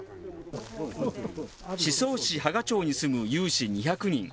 宍粟市波賀町に住む有志２００人。